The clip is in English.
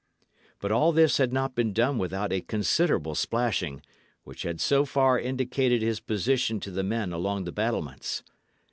But all this had not been done without a considerable splashing, which had so far indicated his position to the men along the battlements.